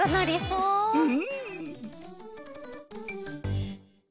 うん。